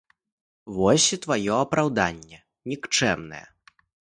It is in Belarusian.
Вось і тваё апраўданне нікчэмнае.